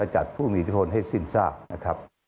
จัดผู้มีอิทธิพลให้สิ้นทราบ